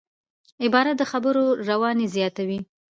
عبارت د خبرو رواني زیاتوي.